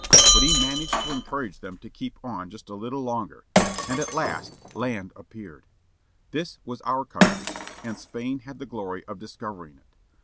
But he managed to encourage them to keep on just a little longer. And at last! Land appeared! This was our country. And Spain had the glory of discovering it.